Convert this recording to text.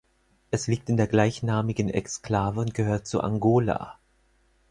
Es liegt in der gleichnamigen Exklave und gehört zu Angola.